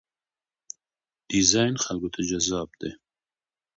ډیزاین خلکو ته جذاب دی.